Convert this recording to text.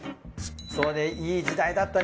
そうねいい時代だったね。